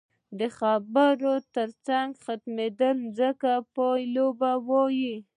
د خبرو تر ختمېدو مخکې پایله وایو.